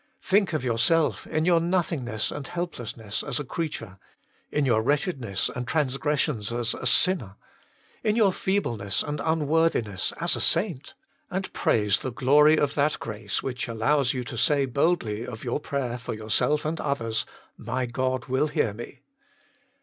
Think of yourself, in your nothingness and helplessness as a creature; in your wretchedness and transgressions as a sinner ; in your feebleness and unworthiness as a saint ; and praise the glory of that grace which allows you to say boldly of your prayer for yourself and others, " My God will hear me."